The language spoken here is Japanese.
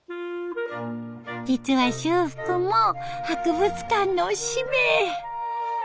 実は修復も博物館の使命。